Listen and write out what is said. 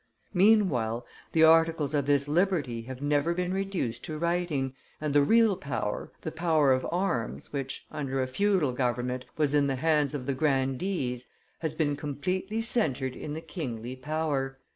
Meanwhile, the articles of this liberty have never been reduced to writing, and the real power, the power of arms, which, under a feudal government, was in the hands of the grandees, has been completely centred in the kingly power.